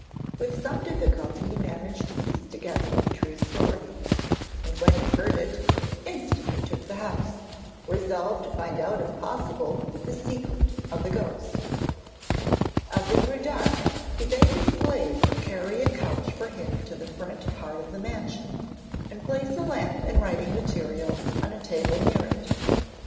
With some difficulty he managed to piece together the true story, and when he heard it, instantly took the house, resolved to find out if possible the secret of the ghost. [Illustration: ATHENODORUS CONFRONTS THE SPECTRE.] As it grew dark, he bade his slave carry a couch for him to the front part of the mansion, and place a lamp and writing materials on a table near it.